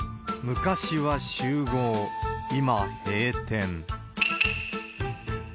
昔は集合、今閉店。